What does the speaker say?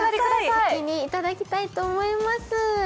先に頂きたいと思います。